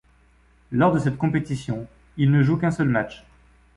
Lors de cette compétition, il ne joue qu'un seul match.